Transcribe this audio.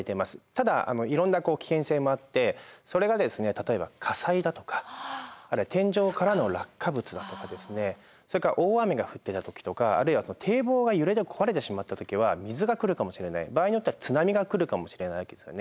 ただいろんな危険性もあってそれが例えば火災だとかあるいは天井からの落下物だとかそれから大雨が降ってた時とかあるいは堤防が揺れで壊れてしまった時は水が来るかもしれない場合によっては津波が来るかもしれないわけですよね。